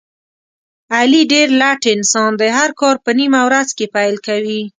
علي ډېر لټ انسان دی، هر کار په نیمه ورځ کې پیل کوي.